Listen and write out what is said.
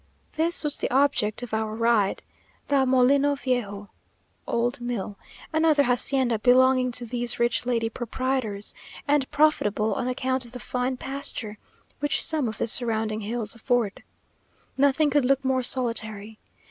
This was the object of our ride; the "molino viejo" (old mill), another hacienda belonging to these rich lady proprietors; and profitable on account of the fine pasture which some of the surrounding hills afford. Nothing could look more solitary.